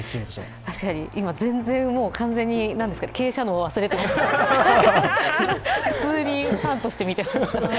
確かに今、全然、完全に経営者脳忘れてました、普通にファンとして見てました。